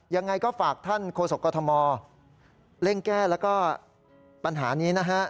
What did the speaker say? ยังไงก็ฝากท่านโฆษกกรทมเร่งแก้แล้วก็ปัญหานี้นะฮะ